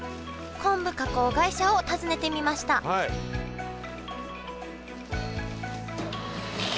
昆布加工会社を訪ねてみましたはい。